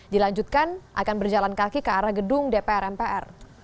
dilanjutkan akan berjalan kaki ke arah gedung dpr mpr